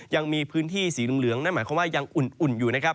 ยังมีพื้นที่สีเหลืองนั่นหมายความว่ายังอุ่นอยู่นะครับ